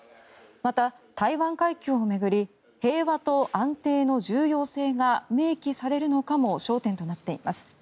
また、台湾海峡を巡り平和と安定の重要性が明記されるのかも焦点となっています。